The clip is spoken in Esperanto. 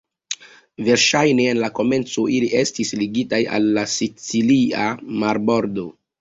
Verŝajne en la komenco ili estis ligitaj al la sicilia marbordo.